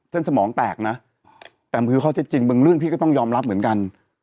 สมองแตกนะแต่มันคือข้อเท็จจริงบางเรื่องพี่ก็ต้องยอมรับเหมือนกัน